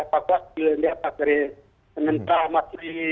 pak kuas di atas dari sementara masuk